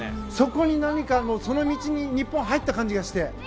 そこに何かその道に日本が入った気がして。